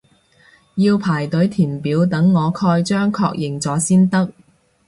要排隊填表等我蓋章確認咗先得